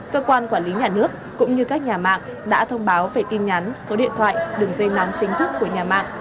cơ quan quản lý nhà nước cũng như các nhà mạng đã thông báo về tin nhắn số điện thoại đường dây nóng chính thức của nhà mạng